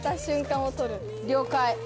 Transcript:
了解。